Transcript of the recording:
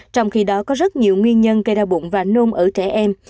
trong khi đó có rất nhiều nguyên nhân gây đau bụng và nôn ở trẻ em